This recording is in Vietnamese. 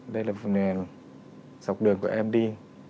đây là phần nền dọc đường của em đi